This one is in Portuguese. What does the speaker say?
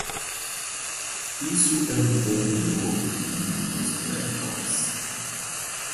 Isso é um pouco novo no mundo dos laptops.